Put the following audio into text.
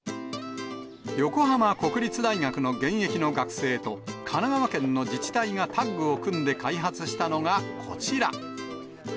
横浜国立大学の現役の学生と、神奈川県の自治体がタッグを組んで開発したのがこちら。